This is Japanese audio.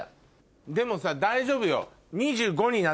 でもさ大丈夫よ。